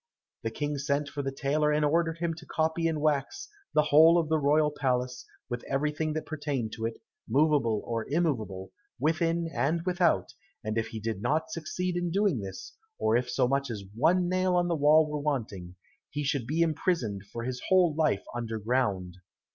The King sent for the tailor and ordered him to copy in wax the whole of the royal palace, with everything that pertained to it, movable or immovable, within and without, and if he did not succeed in doing this, or if so much as one nail on the wall were wanting, he should be imprisoned for his whole life under ground.